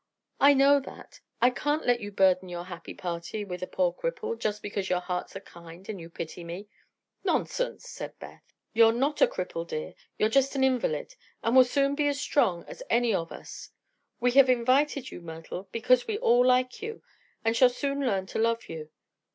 "I know that. I can't let you burden your happy party with a poor cripple, just because your hearts are kind and you pity me!" "Nonsense!" said Beth. "You're not a cripple, dear; you're just an invalid, and will soon be as strong as any of us. We have invited you, Myrtle, because we all like you, and shall soon learn to love you.